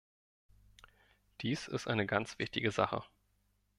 Dies ist eine ganz wichtige Sache.